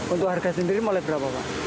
untuk harga sendiri mulai berapa pak